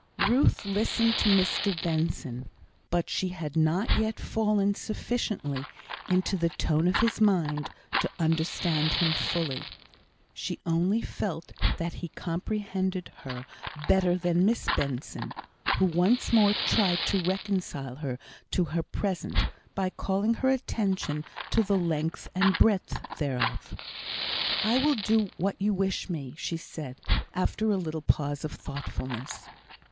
Ruth listened to Mr Benson; but she had not yet fallen sufficiently into the tone of his mind to understand him fully. She only felt that he comprehended her better than Miss Benson, who once more tried to reconcile her to her present, by calling her attention to the length and breadth thereof. "I will do what you wish me," she said, after a little pause of thoughtfulness.